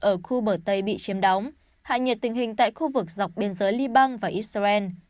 ở khu bờ tây bị chiếm đóng hạ nhiệt tình hình tại khu vực dọc biên giới liban và israel